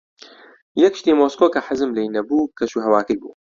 یەک شتی مۆسکۆ کە حەزم لێی نەبوو، کەشوهەواکەی بوو.